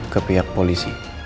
ke pihak polisi